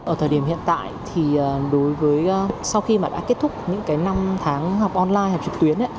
ở thời điểm hiện tại thì đối với sau khi mà đã kết thúc những cái năm tháng học online học trực tuyến